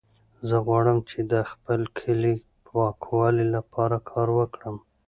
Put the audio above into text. زه غواړم چې د خپل کلي د پاکوالي لپاره کار وکړم.